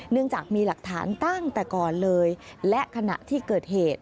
เนื่องจากมีหลักฐานตั้งแต่ก่อนเลยและขณะที่เกิดเหตุ